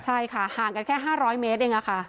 ใช่ค่ะห่างกันแค่๕๐๐เมตรเองค่ะ